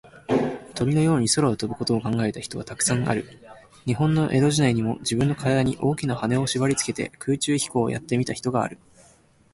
鳥のように空を飛ぶことを考えた人は、たくさんある。日本の江戸時代にも、じぶんのからだに、大きなはねをしばりつけて、空中飛行をやってみた人がある。